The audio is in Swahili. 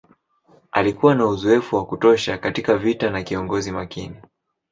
Alikuwa na uzoefu wa kutosha katika vita na kiongozi makini.